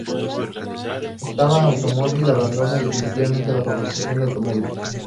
Zastava Automobili abandona definitivamente la fabricación de automóviles.